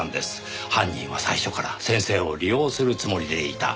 犯人は最初から先生を利用するつもりでいた。